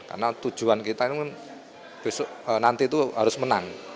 karena tujuan kita itu nanti itu harus menang